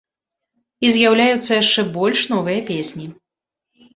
І з'яўляюцца яшчэ больш новыя песні.